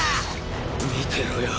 見てろよ！